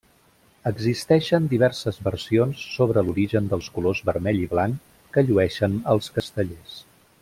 Existeixen diverses versions sobre l'origen dels colors vermell i blanc que llueixen els castellers.